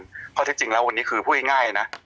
ข้อเท็จจริงแล้ววันนี้คือพูดง่ายนะ